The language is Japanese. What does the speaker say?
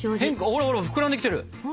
ほらほら膨らんできてる。